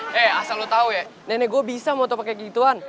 he asal lo tau ya nenek gua bisa motopake gituan